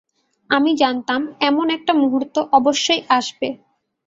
আমি জানতাম, এমন একটা মুহূর্ত অবশ্যই আসবে।